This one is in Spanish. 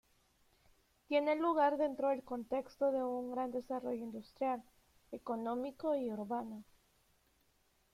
Tiene lugar dentro del contexto de un gran desarrollo industrial, económico y urbano.